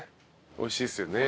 おいしいですよね